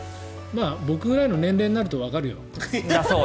僕くらいの年齢になるとわかるよ。